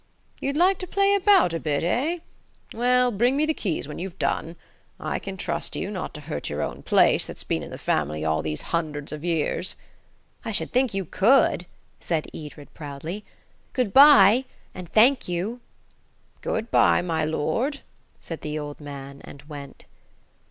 You'd like to play about a bit, eh? Well, bring me the keys when you've done. I can trust you not to hurt your own place, that's been in the family all these hundreds of years." "I should think you could!" said Edred proudly. "Goodbye, and thank you." "Goodbye, my lord," said the old man, and went.